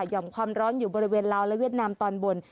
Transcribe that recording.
่อมความร้อนอยู่บริเวณลาวและเวียดนามตอนบน